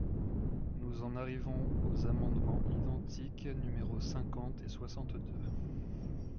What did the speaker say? Nous en arrivons aux amendements identiques numéros cinquante et soixante-deux.